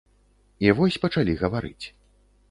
І вось пачалі гаварыць.